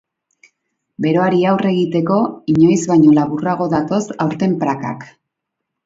Beroari aurre egiteko, inoiz baino laburrago datoz aurten prakak.